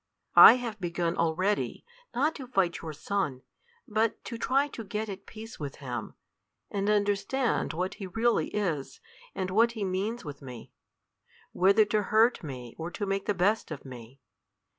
I have begun already, not to fight your sun, but to try to get at peace with him, and understand what he really is, and what he means with me whether to hurt me or to make the best of me.